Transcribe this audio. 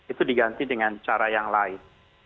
itu diganti dengan cara yang lain